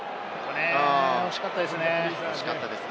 惜しかったですね。